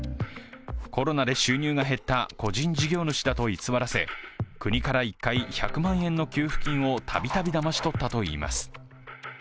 コロナで収入が減った個人事業主だと偽らせ国から１回１００万円の給付金を度々だまし取ったといいます。